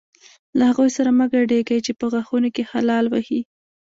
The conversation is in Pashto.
له هغو سره مه ګډېږئ چې په غاښونو کې خلال وهي.